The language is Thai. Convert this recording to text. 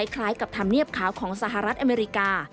คล้ายกับธรรมเนียบขาวของสหรัฐอเมริกา